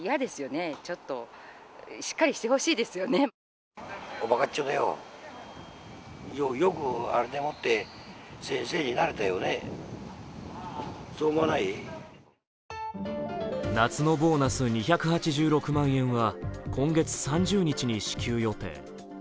地元・静岡では夏のボーナス２８６万円は今月３０日に支給予定。